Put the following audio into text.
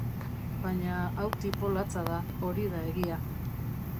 Baina hau tipo latza da, hori da egia.